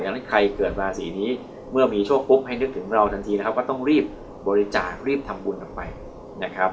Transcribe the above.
ดังนั้นใครเกิดราศีนี้เมื่อมีโชคปุ๊บให้นึกถึงเราทันทีนะครับก็ต้องรีบบริจาครีบทำบุญออกไปนะครับ